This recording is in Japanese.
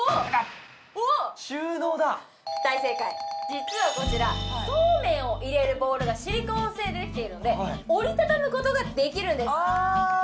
収納だ大正解実はこちらそうめんを入れるボウルがシリコン製でできているので折りたたむことができるんですあ！